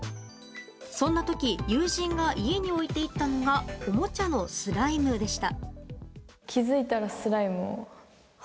そんな時友人が家に置いていったのがおもちゃのスライムでした。